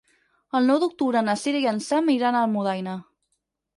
El nou d'octubre na Cira i en Sam iran a Almudaina.